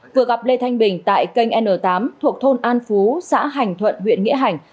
vừa gặp lê thanh bình tại kênh n tám thuộc thôn an phú xã hành thuận huyện nghĩa hành